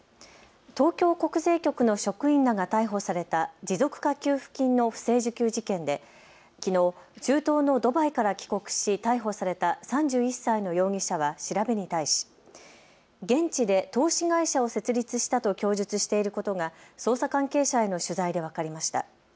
東京国税局の職員らが逮捕された持続化給付金の不正受給事件できのう中東のドバイから帰国し逮捕された３１歳の容疑者は調べに対し、現地で投資会社を設立したと供述していることが捜査関係者への取材で分かりました。